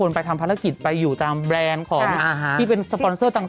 ไปทำภารกิจไปอยู่ตามแบรนด์ของที่เป็นสปอนเซอร์ต่าง